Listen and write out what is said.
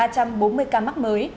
hai ba trăm bốn mươi ca mắc mới